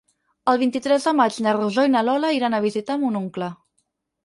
El vint-i-tres de maig na Rosó i na Lola iran a visitar mon oncle.